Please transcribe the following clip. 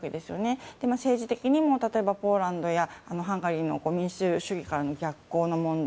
例えば、政治的にもポーランドやハンガリーの民主主義からの逆行の問題。